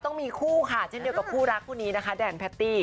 ต้องมีคู่ค่ะเช่นเดียวกับคู่รักคู่นี้นะคะแดนแพตตี้